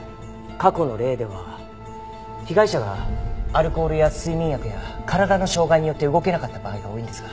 過去の例では被害者がアルコールや睡眠薬や体の障がいによって動けなかった場合が多いんですが。